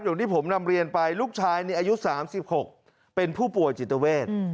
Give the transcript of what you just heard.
อย่างที่ผมนำเรียนไปลูกชายนี่อายุ๓๖เป็นผู้ป่วยจิตเวท